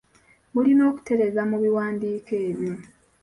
Mulina okutereeza mu biwandiiko ebyo.